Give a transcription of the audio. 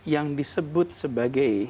yang disebut sebagai